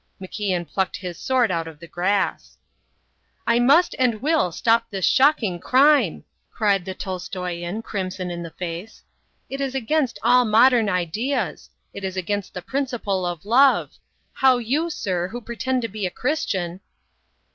MacIan plucked his sword out of the grass. "I must and will stop this shocking crime," cried the Tolstoian, crimson in the face. "It is against all modern ideas. It is against the principle of love. How you, sir, who pretend to be a Christian..."